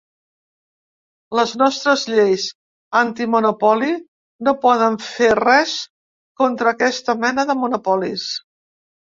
Les nostres lleis antimonopoli no poden fer res contra aquesta mena de monopolis.